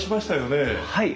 はい。